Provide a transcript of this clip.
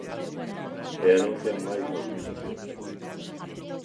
E anuncian máis mobilizacións.